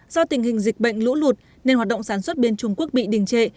do tình hình dịch bệnh lũ lụt nên hoạt động sản xuất bên trung quốc bị đình trệ